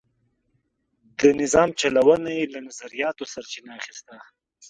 د نظام چلونه یې له نظریاتو سرچینه اخیسته.